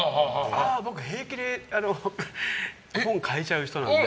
僕、平気で本変えちゃう人なので。